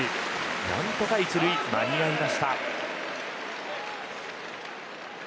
何とか１塁、間に合いました。